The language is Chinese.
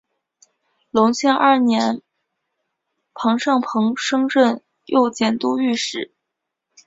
隆庆二年庞尚鹏升任右佥都御史。